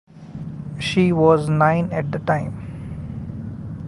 She was nine at the time.